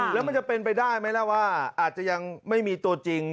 แล้วมันจะเป็นไปได้ไหมล่ะว่าอาจจะยังไม่มีตัวจริง